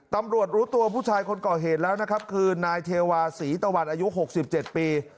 ตำรวจรู้ตัวผู้ชายคนก่อเหตุแล้วนะครับคือนายเทวาศรีตะวันอายุ๖๗ปี